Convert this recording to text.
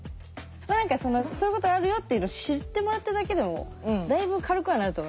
まあ何かそういうことがあるよっていうのを知ってもらっただけでもだいぶ軽くはなると思いますけどね。